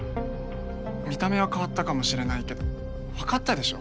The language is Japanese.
見た目は変わったかもしれないけど分かったでしょ？